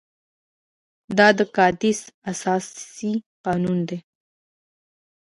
دا د کادیس اساسي قانون وو.